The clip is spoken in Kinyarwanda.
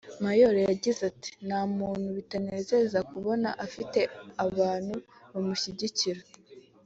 Maylo yagize ati “ Nta muntu bitanezeza kubona afite abantu bamushyigikiye